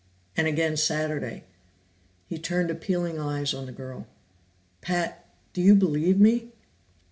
And again Saturday." He turned appealing eyes on the girl. "Pat, do you believe me?"